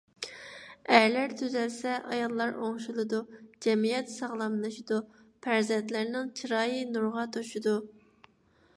ئەرلەر تۈزەلسە ئاياللار ئوڭشىلىدۇ، جەمئىيەت ساغلاملىشىدۇ، پەرزەنتلەرنىڭ چىرايى نۇرغا توشىدۇ.